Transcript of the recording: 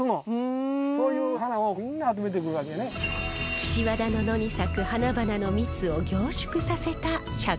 岸和田の野に咲く花々の蜜を凝縮させた百花蜜。